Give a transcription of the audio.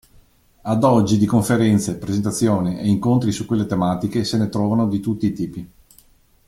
Ad oggi di conferenze, presentazioni e incontri su quelle tematiche se ne trovano di tutti i tipi.